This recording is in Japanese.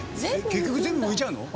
結局全部むいちゃうの？